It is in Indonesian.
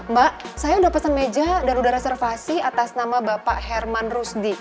mbak saya udah pesan meja dan udah reservasi atas nama bapak herman rusdi